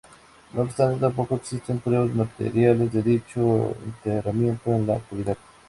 No obstante, tampoco existen pruebas materiales de dicho enterramiento en la actualidad.